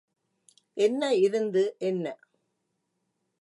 என்ன இருந்து என்ன?